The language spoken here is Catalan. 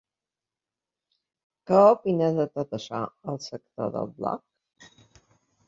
Que opina de tot açò el sector del bloc?